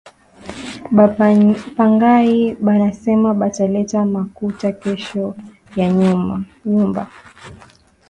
Ba pangayi banasema bata leta makuta kesho ya nyumba